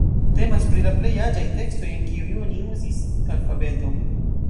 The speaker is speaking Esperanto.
Temas pri la plej aĝaj tekstoj, en kiuj oni uzis alfabeton.